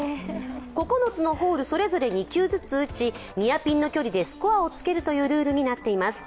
９つのホールそれぞれ２球ずつ打ちニアピンの距離でスコアをつけるというルールになっています。